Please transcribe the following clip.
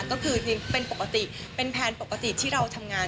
ก็คือเป็นปกติเป็นแพลนปกติที่เราทำงาน